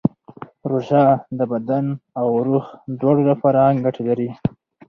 روژه د بدن او روح دواړو لپاره ګټه لري.